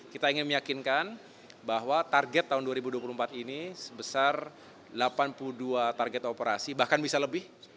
kita ingin meyakinkan bahwa target tahun dua ribu dua puluh empat ini sebesar delapan puluh dua target operasi bahkan bisa lebih